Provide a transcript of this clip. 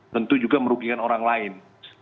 tentu juga merugikan orang lain